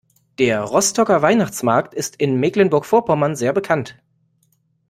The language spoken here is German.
Der Rostocker Weihnachtsmarkt ist in Mecklenburg-Vorpommern sehr bekannt.